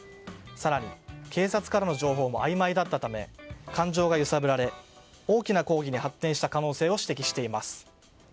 更に、警察からの情報もあいまいだったため感情が揺さぶられ大きな抗議に発展した可能性を指摘しています。